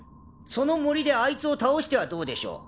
そのもりであいつを倒してはどうでしょう？